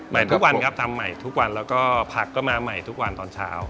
ทุกวันครับทำใหม่ทุกวันแล้วก็ผักก็มาใหม่ทุกวันตอนเช้า